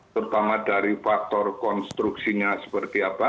terutama dari faktor konstruksinya seperti apa